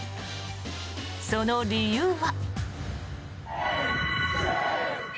その理由は。